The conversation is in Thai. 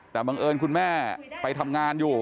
แต่บังเอิญคุณแม่ไปทำงานอยู่